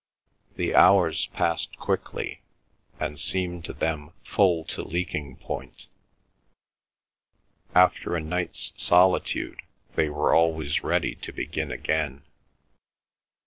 The hours passed quickly, and seemed to them full to leaking point. After a night's solitude they were always ready to begin again.